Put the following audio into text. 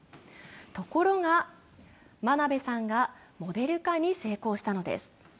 ところが、真鍋さんがモデル化に成功したのです。